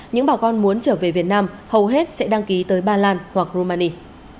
những bà con muốn trở về việt nam hầu hết sẽ đăng ký tới ba lan hoặc rumani